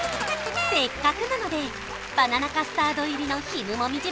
せっかくなのでバナナカスタード入りのひむもみじ